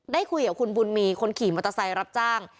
ได้คุยกับคุณบุญมีคนขี่มอเตอร์ไซค์รับจ้าง